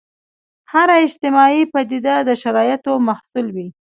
هره اجتماعي پدیده د شرایطو محصول وي.